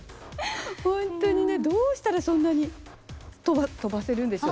ホントにねどうしたらそんなに飛ばせるんでしょう？